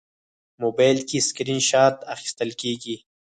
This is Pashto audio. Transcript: موبایل کې سکرین شات اخیستل کېږي.